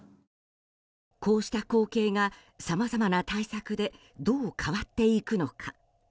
こうした光景がさまざまな対策でどう変わっていくのか。